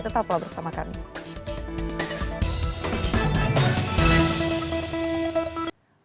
tetaplah bersama kami